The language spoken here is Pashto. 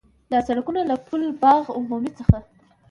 دا سړکونه له پُل باغ عمومي څخه